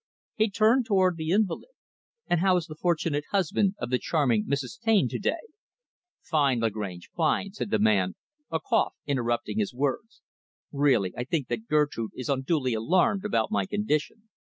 He turned toward the invalid. "And how is the fortunate husband of the charming Mrs. Taine to day?" "Fine, Lagrange, fine," said the man a cough interrupting his words. "Really, I think that Gertrude is unduly alarmed about my condition.